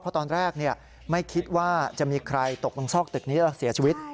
เพราะตอนแรกไม่คิดว่าจะมีใครตกลงซอกตึกนี้แล้วเสียชีวิต